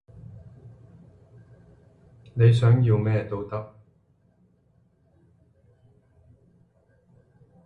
你想要咩？咩都得